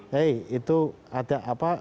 hei itu ada apa